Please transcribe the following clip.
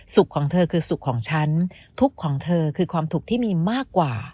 ของเธอคือสุขของฉันทุกข์ของเธอคือความทุกข์ที่มีมากกว่า